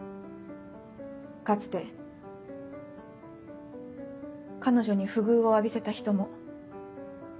かつて彼女に不遇を浴びせた人も。